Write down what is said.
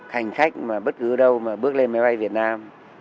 hành khách mà bất cứ đâu mà bước lên máy bay việt nam